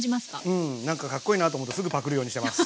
うんなんか格好いいなと思ってすぐパクるようにしてます。